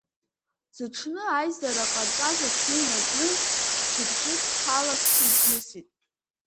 Зыҽны аизара ҟарҵаз аҽны инаркны, мчыбжьык ԥшаласшәа ибжьысит.